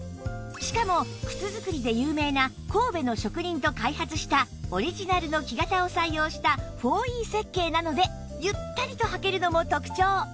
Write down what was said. しかも靴作りで有名な神戸の職人と開発したオリジナルの木型を採用した ４Ｅ 設計なのでゆったりと履けるのも特長！